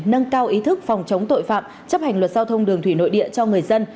nâng cao ý thức phòng chống tội phạm chấp hành luật giao thông đường thủy nội địa cho người dân